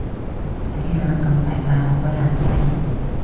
睇下，咁大撻好鬼難洗